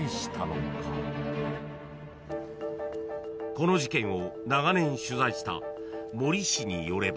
［この事件を長年取材した森氏によれば］